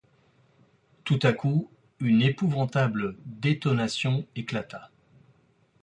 Tout à coup, une épouvantable détonation éclata.